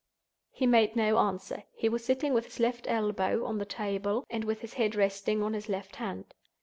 He made no answer. He was sitting with his left elbow on the table, and with his head resting on his left hand.